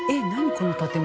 この建物。